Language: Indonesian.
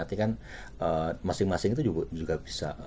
artinya masing masing itu juga bisa